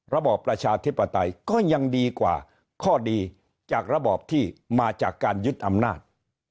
ระบอบประชาธิปไตยก็ยังดีกว่าข้อดีจากระบอบที่มาจากการยึดอำนาจ